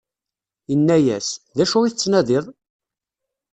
inna-yas: D acu i tettnadiḍ?